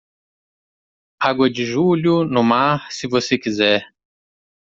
Água de julho, no mar, se você quiser.